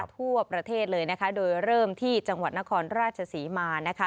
ทั่วประเทศเลยนะคะโดยเริ่มที่จังหวัดนครราชศรีมานะคะ